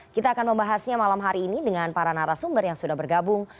kita akan membahasnya malam hari ini dengan para narasumber yang sudah bergabung